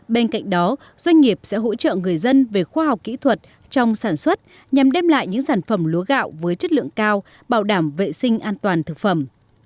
bên cạnh đó doanh nghiệp sẽ hỗ trợ người dân về khoa học kỹ thuật trong sản xuất nhằm đem lại những sản phẩm lúa gạo với chất lượng cao bảo đảm vệ sinh an toàn thực phẩm